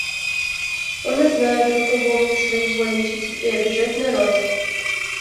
– Он узнает, каково у меня своевольничать и обижать народ.